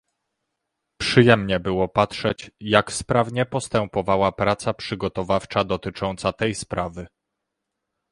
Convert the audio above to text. Przyjemnie było patrzeć, jak sprawnie postępowała praca przygotowawcza dotycząca tej sprawy